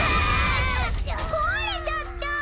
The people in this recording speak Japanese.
こわれちゃった！